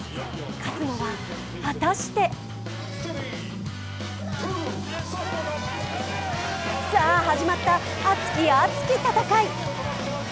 勝つのは果たしてさあ、始まった熱き熱き戦い。